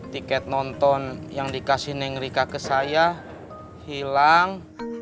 tiket nonton yang dikasih neng rika ke saya hilang